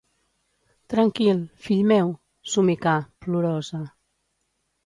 Tranquil, fill meu –somicà, plorosa–.